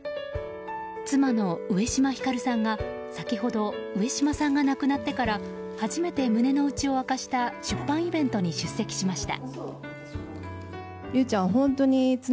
妻の上島光さんが先ほど上島さんが亡くなってから初めて胸の内を明かした出版イベントに出席しました。